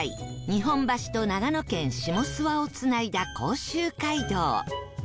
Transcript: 日本橋と長野県下諏訪をつないだ甲州街道